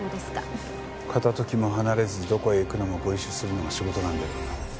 片時も離れずどこへ行くのもご一緒するのが仕事なんで。